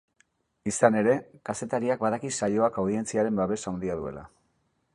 Izan ere, kazetariak badaki saioak audientziaren babes handia duela.